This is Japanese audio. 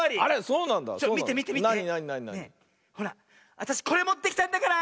あたしこれもってきたんだから！